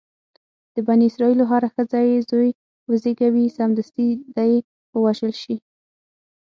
د بني اسرایلو هره ښځه چې زوی وزېږوي سمدستي دې ووژل شي.